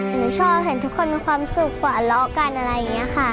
หนูชอบเห็นทุกคนมีความสุขกว่าเลาะกันอะไรอย่างนี้ค่ะ